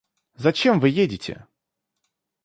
Зачем вы едете?